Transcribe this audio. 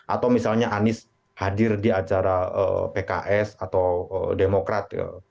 atau misalnya anies hadir di acara pks atau demokrat